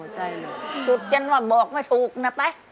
สุดจนว่าบอกไม่ถูกนะไป